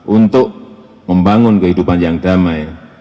untuk membangun kehidupan yang damai